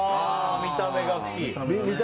見た目が好き。